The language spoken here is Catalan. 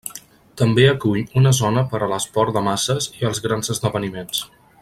També acull una zona per a l'esport de masses i els grans esdeveniments.